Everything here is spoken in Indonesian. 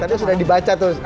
tadi sudah dibaca tuh